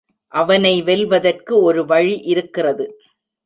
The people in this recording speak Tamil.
அவனை வெல்வதற்கு ஒரு வழி இருக்கிறது.